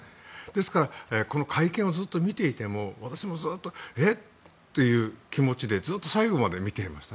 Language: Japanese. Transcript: ですから、この会見をずっと見ていても私もずっとえっ？という気持ちで最後まで見ていました。